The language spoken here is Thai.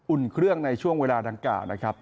อุ่นเครื่องในช่วงเวลาดังกล่าวนะครับ